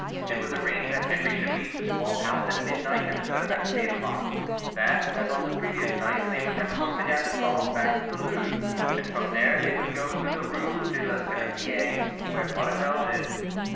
It was arranged that Henry should leave the small house at midnight instead of at three o'clock; that, as on the previous night, they would escort Madame de Sauve back to the Louvre, and from there they would go to the Rue de la Cerisaie, where Maurevel lived.